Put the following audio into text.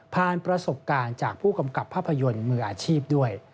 ประสบการณ์จากผู้กำกับภาพยนตร์มืออาชีพด้วย